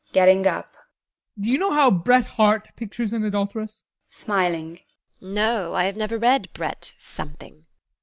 [Getting up] Do you know how Bret Harte pictures an adulteress? TEKLA. [Smiling] No, I have never read Bret Something.